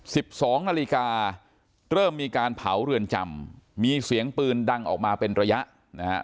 สิบสองนาฬิกาเริ่มมีการเผาเรือนจำมีเสียงปืนดังออกมาเป็นระยะนะฮะ